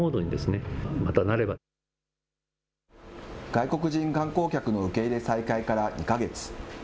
外国人観光客の受け入れ再開から２か月。